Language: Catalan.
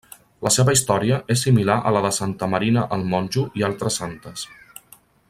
La seva història és similar a la de Santa Marina el Monjo i altres santes.